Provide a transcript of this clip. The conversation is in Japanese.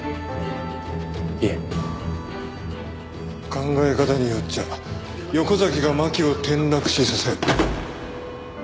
考え方によっちゃ横崎が巻を転落死させ。